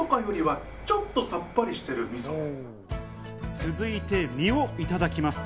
続いて身をいただきます。